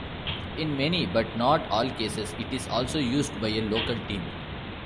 In many, but not all cases, it is also used by a local team.